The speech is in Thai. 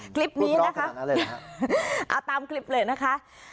คลิปนี้นะคะเอาตามคลิปเลยนะคะ